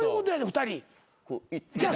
２人。